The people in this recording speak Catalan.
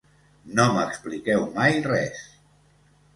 No m'expliqueu mai res!